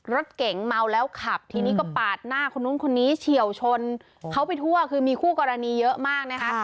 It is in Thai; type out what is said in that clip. รถเก๋งเมาแล้วขับทีนี้ก็ปาดหน้าคนนู้นคนนี้เฉียวชนเขาไปทั่วคือมีคู่กรณีเยอะมากนะคะ